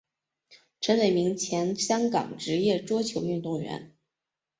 陈伟明前香港职业桌球运动员。